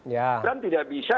gibran tidak bisa